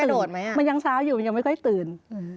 โดดไหมมันยังเช้าอยู่มันยังไม่ค่อยตื่น